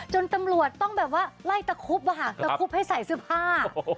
ตำรวจต้องแบบว่าไล่ตะคุบอะค่ะตะคุบให้ใส่เสื้อผ้า